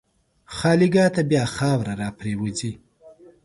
خالیګاه ته بیا خاوره راپرېوځي.